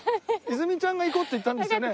泉ちゃんが行こうって言ったんですよね？